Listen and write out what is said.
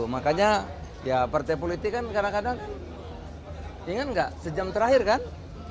makanya ya partai politik kan kadang kadang ingat nggak sejam terakhir kan